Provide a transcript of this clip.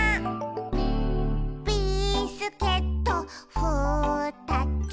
「ビスケットふたつ」